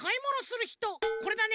これだね。